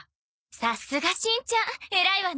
さすがしんちゃん偉いわね。